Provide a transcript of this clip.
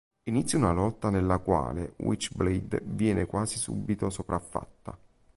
Inizia una lotta nella quale Witchblade viene quasi subito sopraffatta.